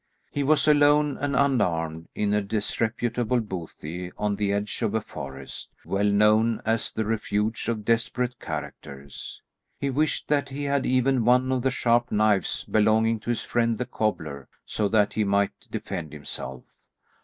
He was alone and unarmed in a disreputable bothy on the edge of a forest, well known as the refuge of desperate characters. He wished that he had even one of the sharp knives belonging to his friend the cobbler, so that he might defend himself.